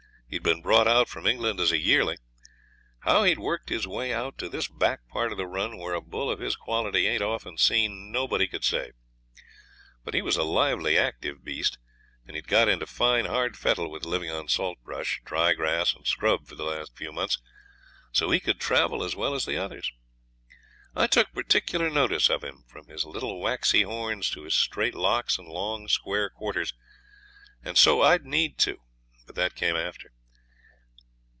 He'd been brought out from England as a yearling. How he'd worked his way out to this back part of the run, where a bull of his quality ain't often seen, nobody could say. But he was a lively active beast, and he'd got into fine hard fettle with living on saltbush, dry grass, and scrub for the last few months, so he could travel as well as the others. I took particular notice of him, from his little waxy horns to his straight locks and long square quarters. And so I'd need to but that came after.